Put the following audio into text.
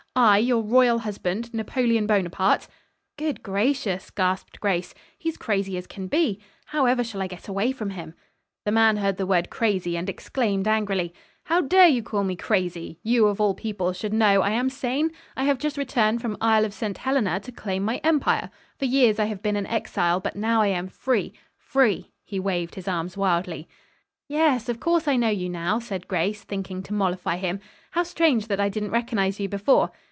I, your royal husband, Napoleon Bonaparte." "Good gracious," gasped Grace. "He's crazy as can be. How ever shall I get away from him?" The man heard the word "crazy" and exclaimed angrily: "How dare you call me crazy! You, of all people, should know I am sane. I have just returned from Isle of St. Helena to claim my empire. For years I have been an exile, but now I am free, free." He waved his arms wildly. "Yes, of course I know you, now," said Grace, thinking to mollify him. "How strange that I didn't recognize you before."